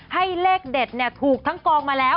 เลขเด็ดถูกทั้งกองมาแล้ว